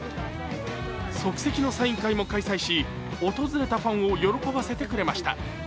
即席のサイン会も開催し、訪れたファンを喜ばせてくれました。